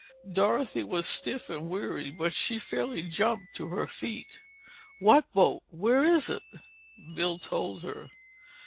Dorothy was stiff and weary but she fairly jumped to her feet. "What boat? Where is it?" Bill told her.